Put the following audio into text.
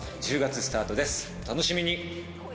１０月スタートです、お楽しみに。